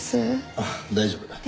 あっ大丈夫。